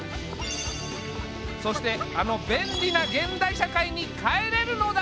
そしてあの便利な現代社会に帰れるのだろうか？